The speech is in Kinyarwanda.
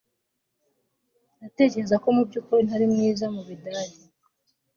Ndatekereza ko mubyukuri ntari mwiza mubidage